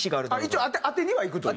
一応当てにはいくと。